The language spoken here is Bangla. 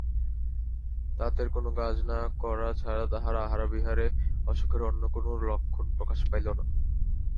তাঁতের কাজ না করা ছাড়া তাহার আহারবিহারে অসুখের অন্য কোনো লক্ষণ প্রকাশ পাইল না।